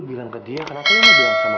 ibu gini ada apa yang lu programme